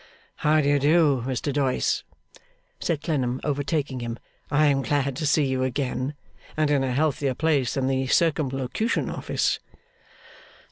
'How do you do, Mr Doyce?' said Clennam, overtaking him. 'I am glad to see you again, and in a healthier place than the Circumlocution Office.